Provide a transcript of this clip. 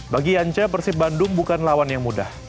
bagi yanca persib bandung bukan lawan yang mudah